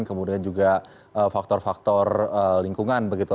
kemudian juga faktor faktor lingkungan begitu